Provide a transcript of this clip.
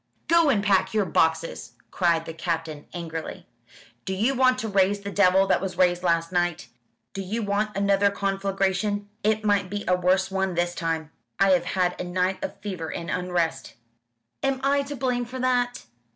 "Go and pack your boxes!" cried the Captain angrily. "Do you want to raise the devil that was raised last night? Do you want another conflagration? It might be a worse one this time. I have had a night of fever and unrest." "Am I to blame for that?'